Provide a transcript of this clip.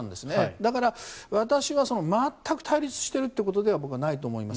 だから私は全く対立しているということでは僕はないと思います。